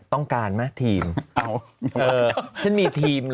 ต้องการไหม